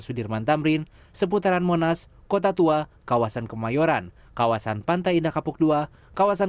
sudirman tamrin seputaran monas kota tua kawasan kemayoran kawasan pantai indah kapuk ii kawasan